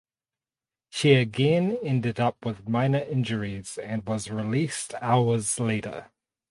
She again ended up with minor injuries and was released hours later.